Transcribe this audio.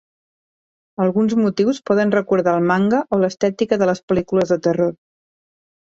Alguns motius poden recordar el manga o l'estètica de les pel·lícules de terror.